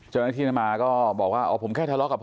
เจ้านักที่นำมาก็บอกว่าผมแค่ทะเลาะกับพ่อ